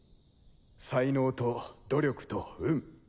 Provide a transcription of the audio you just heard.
才能と努力と運